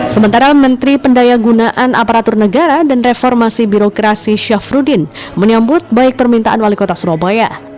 sementara menteri pendaya gunaan aparatur negara dan reformasi birokrasi syafruddin menyambut baik permintaan wali kota surabaya